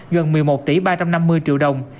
gần một mươi một tỷ ba trăm năm mươi triệu đồng